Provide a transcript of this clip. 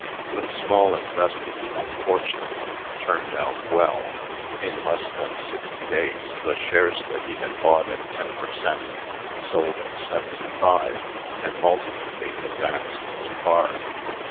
The small investment unfortunately turned out well. In less than sixty days, the shares that he had bought at ten per cent, sold at seventy five, and ultimately advanced to par.